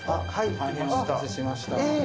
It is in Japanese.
大変お待たせしました。